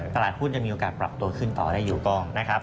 ตลาดหุ้นยังมีโอกาสปรับตัวขึ้นต่อได้อยู่กล้องนะครับ